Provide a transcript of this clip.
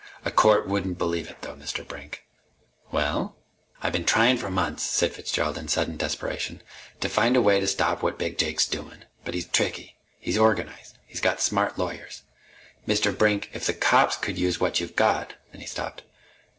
A court wouldn't believe it, though, Mr. Brink!" "Well?" "I've been tryin' for months," said Fitzgerald in sudden desperation, "to find a way to stop what Big Jake's doin'. But he's tricky. He's organized. He's got smart lawyers. Mr. Brink, if the cops could use what you've got " Then he stopped.